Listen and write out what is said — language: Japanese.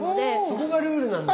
そこがルールなんだ。